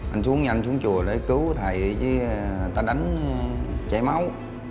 anh xuống nhanh xuống chùa để cứu thầy đi chứ ta đánh trẻ máu